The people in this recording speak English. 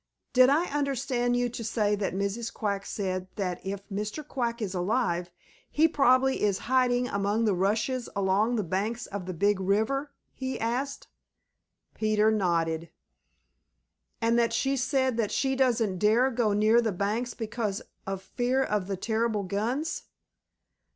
"Did I understand you to say that Mrs. Quack said that if Mr. Quack is alive, he probably is hiding among the rushes along the banks of the Big River?" he asked. Peter nodded. "And that she said that she doesn't dare go near the banks because of fear of the terrible guns?"